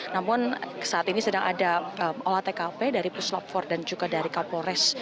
namun saat ini sedang ada olah tkp dari puslap empat dan juga dari kapolres